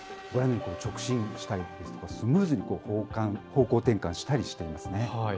直進したり、スムーズに方向転換したりしていますね。